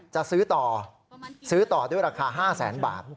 จะซื้อต่อซื้อต่อด้วยราคา๕แสนบาท